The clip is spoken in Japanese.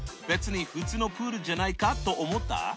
別に普通のプールじゃないか？と思った？